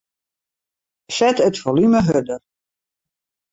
Set it folume hurder.